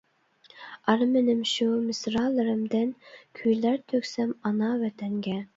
ئارمىنىم شۇ مىسرالىرىمدىن، كۈيلەر تۆكسەم ئانا ۋەتەنگە.